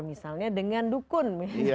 misalnya dengan dukun